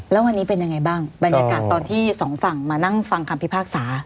แล้ววันนี้เป็นยังไงบ้างบรรยากาศตอนที่สองฝั่งมานั่งฟังคำพิพากษา